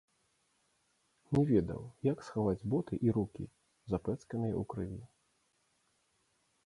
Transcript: Не ведаў, як схаваць боты і рукі, запэцканыя ў крыві.